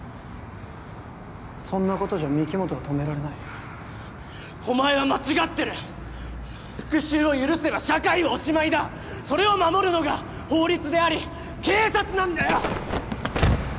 そんなことじゃ御木本は止められないお前は間違ってる復讐を許せば社会はおしまいだそれを守るのが法律であり警察なんだよ！